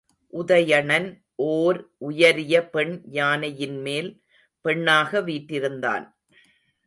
உதயணன் ஓர் உயரிய பெண் யானையின்மேல் பெண்ணாக வீற்றிருந்தான்.